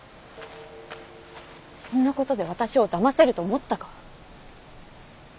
そんなことで私をだませると思ったか。